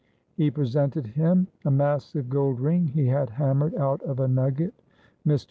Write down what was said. He presented him a massive gold ring he had hammered out of a nugget. Mr.